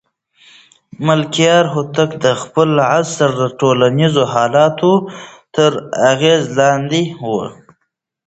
ملکیار هوتک د خپل عصر د ټولنیزو حالاتو تر اغېز لاندې و.